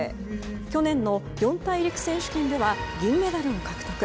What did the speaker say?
去年の四大陸選手権では銀メダルを獲得。